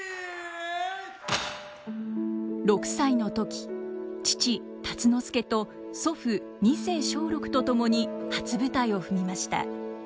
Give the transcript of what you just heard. ６歳の時父辰之助と祖父二世松緑と共に初舞台を踏みました。